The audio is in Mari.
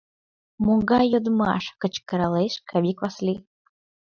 — Могай йодмаш! — кычкыралеш Кавик Васли.